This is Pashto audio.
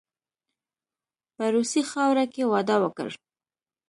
په روسي خاوره کې واده وکړ.